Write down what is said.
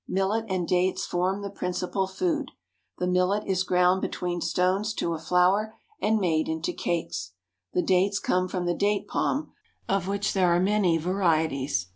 Millet and dates form the principal food. The millet is ground between stones to a flour, and made into cakes. The dates come from the date palm, of which there are many varieties.